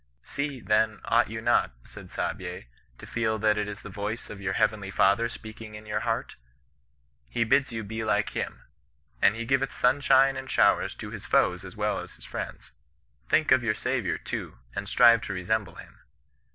* See, then, ought you not,' said Saabye, *to feel that it is the voice of your heavenly Father speaking in your heart ; he bids you be like him ; and he giveth sunshine and showers to his foes as well as his friends. Think of your Saviour, too, and strive to resemble him.